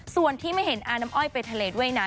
ส่วนที่ไม่เห็นอาน้ำอ้อยไปทะเลด้วยน้ำ